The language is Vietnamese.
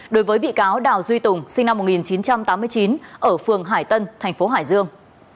đối với bị cáo đào duy tùng sinh năm một nghìn chín trăm tám mươi chín ở phường hải tân thành phố hải dương